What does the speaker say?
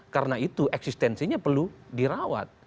karena itu eksistensinya perlu dirawat